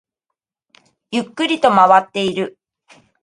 ゆっくりと回っている